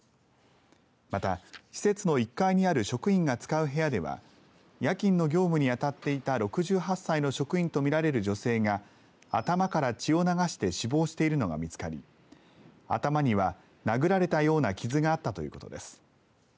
また、施設の１階にある職員が使う部屋では夜勤の業務に当たっていた６８歳の職員と見られる女性が頭から血を流して死亡しているのが見つかり頭には殴られたような傷があったということです。